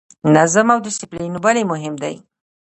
نظم او ډیسپلین ولې مهم دي؟